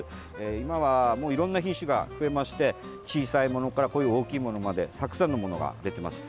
今はいろんな品種が増えまして小さいものからこういう大きいものまでたくさんのものが出ています。